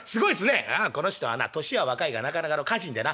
「ああこの人はな年は若いがなかなかの歌人でな」。